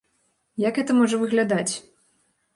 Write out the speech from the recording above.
Як гэта можа выглядаць?